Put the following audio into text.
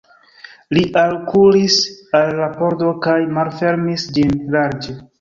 Li alkuris al la pordo kaj malfermis ĝin larĝe.